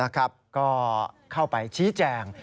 ก็เข้าไปชี้แจง